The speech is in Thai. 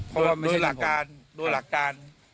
เพราะว่าไม่ใช่เดินผ่านโดยหลักการ